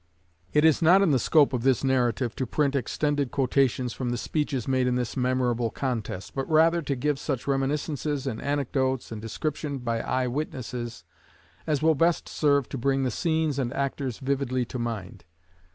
It is not in the scope of this narrative to print extended quotations from the speeches made in this memorable contest, but rather to give such reminiscences and anecdotes, and description by eye witnesses, as will best serve to bring the scenes and actors vividly to mind.